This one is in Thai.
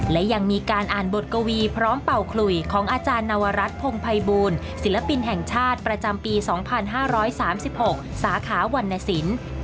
และยังมีการอ่านบทกวีพร้อมเป่าขลุยของอาจารย์นวรัฐพงภัยบูลศิลปินแห่งชาติประจำปี๒๕๓๖สาขาวรรณสิน